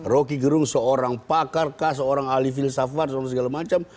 rocky gerung seorang pakar seorang ahli filsafat seorang segala macam